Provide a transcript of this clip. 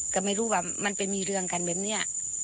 ก็ไม่รู้ว่ามันไปมีเรื่องกันแบบนี้